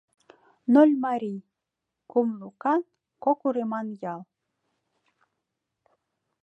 Нольмарий — кум лукан, кок уреман ял.